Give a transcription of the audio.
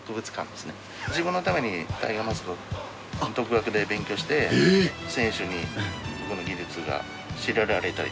自分のためにタイガーマスクを独学で勉強して選手にこの技術が知られたり。